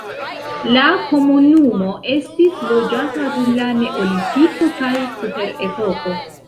La komunumo estis loĝata dum la neolitiko kaj kuprepoko.